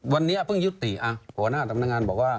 วันนี้ของหัวหน้าทำด่งงานบอกว่า